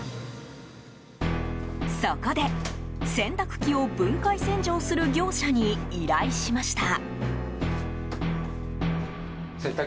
そこで、洗濯機を分解洗浄する業者に依頼しました。